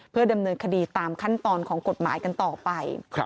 เพื่อดำเนินคดีตามขั้นตอนของกฎหมายกันต่อไป